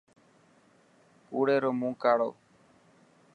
ڪوڙي رو مون ڪاڙو.